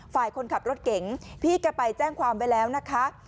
ฝ่ายคนขับรถเก๋งพี่แกไปแจ้งความไว้แล้วนะคะ